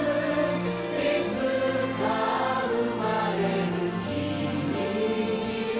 「いつか生まれる君に」